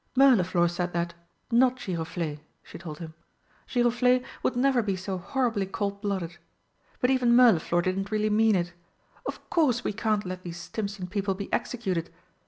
"Mirliflor said that not Giroflé," she told him. "Giroflé would never be so horribly cold blooded. But even Mirliflor didn't really mean it! Of course we can't let these Stimpson people be executed.